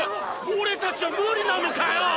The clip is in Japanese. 俺たちは無理なのかよ！